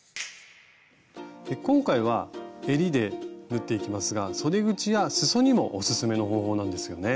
今回はえりで縫っていきますがそで口や裾にもおすすめの方法なんですよね。